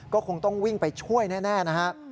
ก็คงต้องวิ่งไปช่วยแน่นะฮะ